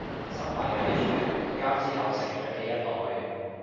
身為喺主權移交之後成長嘅一代